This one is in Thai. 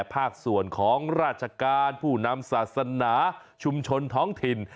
ภาคส่วนของราชการผู้นำศาสนาชุมชนท้องถิ่น